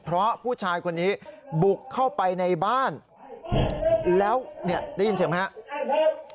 เพราะผู้ชายคนนี้บุกเข้าไปในบ้านแล้วเนี่ยได้ยินเสียงไหมครับ